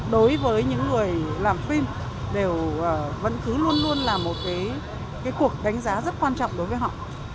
đối với những người làm phim đều vẫn cứ luôn luôn là một cuộc đánh giá rất quan trọng đối với họ